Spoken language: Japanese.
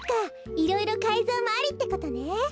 いろいろかいぞうもありってことね。